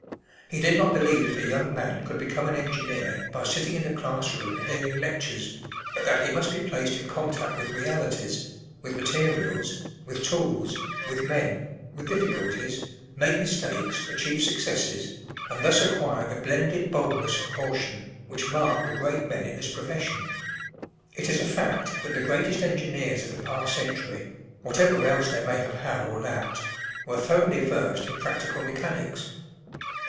He did not believe that a young man could become an engineer by sitting in a class room and hearing lectures; but that he must be placed in contact with realities, with materials, with tools, with men, with difficulties, make mistakes, achieve successes, and thus acquire the blended boldness and caution which mark the great men in this profession. It is a fact that the greatest engineers of the past century, whatever else they may have had or lacked, were thoroughly versed in practical mechanics.